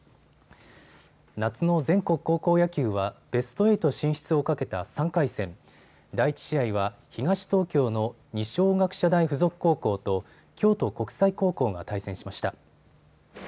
夏の全国高校野球はベスト８進出をかけた３回戦第１試合は東東京の二松学舎大付属高校と京都国際高校が対戦しました。